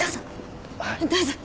どうぞ。